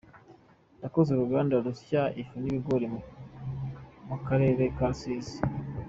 Yakoze uruganda rusya ifu y’ibigori Mukarere Karusizi